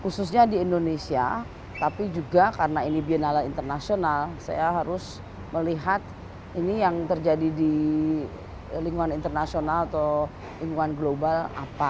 khususnya di indonesia tapi juga karena ini biennala internasional saya harus melihat ini yang terjadi di lingkungan internasional atau lingkungan global